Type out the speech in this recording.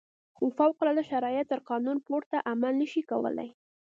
خو فوق العاده شرایط تر قانون پورته عمل نه شي کولای.